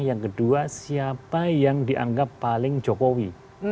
yang kedua siapa yang dianggap paling jokowi